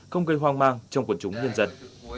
không gây hoang mang trong quân chúng nhân dân